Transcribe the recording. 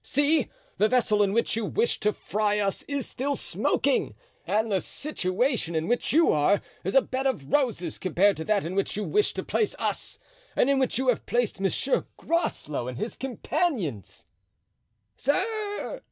See! the vessel in which you wished to fry us is still smoking; and the situation in which you are is a bed of roses compared to that in which you wished to place us and in which you have placed Monsieur Groslow and his companions." "Sir!"